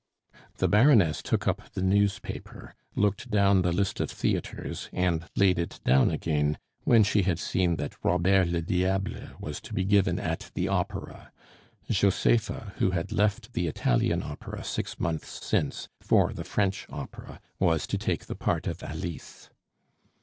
The Baroness took up the newspaper, looked down the list of theatres, and laid it down again when she had seen that Robert le Diable was to be given at the Opera. Josepha, who had left the Italian Opera six months since for the French Opera, was to take the part of Alice.